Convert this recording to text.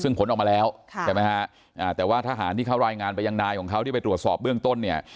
ซึ่งผลออกมาแล้วใช่ไหมฮะอ่าแต่ว่าทหารที่เขารายงานไปยังนายของเขาที่ไปตรวจสอบเบื้องต้นเนี่ย